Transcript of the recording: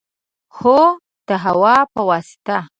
هو، د هوا په واسطه